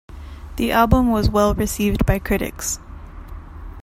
The album was well received by critics.